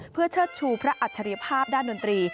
เพื่อเชิดชูพระอัจฉริยภาพด้านดนตรี